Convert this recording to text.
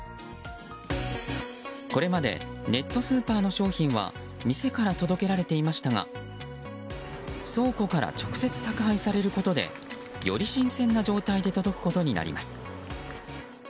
これまでネットスーパーの商品は店から届けられていましたが倉庫から直接宅配されることでより新鮮な状態で届くことになります。